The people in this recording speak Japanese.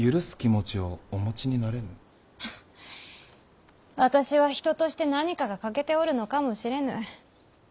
は私は人として何かが欠けておるのかもしれぬ。